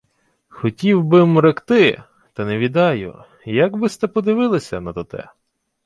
— Хотів би-м ректи, та не відаю, як би-сте подивилися на тоте...